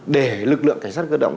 để lực lượng cảnh sát cơ động